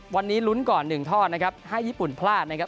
วันนี้ลุ้นก่อน๑ท่อนะครับให้ญี่ปุ่นพลาดนะครับ